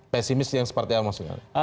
pesimis yang separtian maksudnya